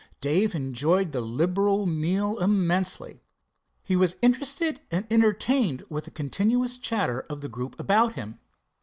Dave enjoyed the liberal meal immensely. He was interested and entertained with the continuous chatter of the group about him.